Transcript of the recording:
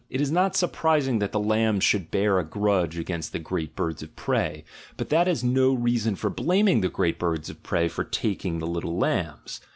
It is not sur prising that the lambs should bear a grudge against the great birds of prey, but that is no reason for blaming the great birds of prey for taking the little lambs.